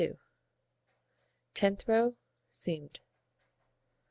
Tenth row: Seamed.